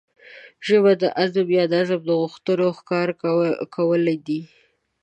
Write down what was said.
ژبه د عزم يا د عزم د غوښتنو ښکاره کول دي.